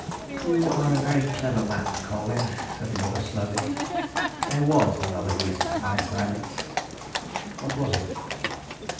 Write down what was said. "You are a very clever man, Colwyn," said the other slowly. "There was another reason for my silence." "What was it?"